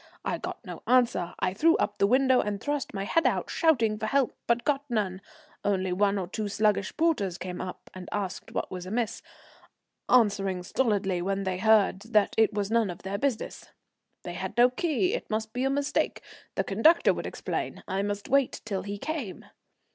I got no answer; I threw up the window and thrust my head out, shouting for help, but got none, only one or two sluggish porters came up and asked what was amiss, answering stolidly, when they heard, that it was none of their business. "They had no key, it must be a mistake. The conductor would explain, I must wait till he came."